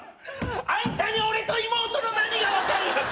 あんたに俺と妹の何が分かる？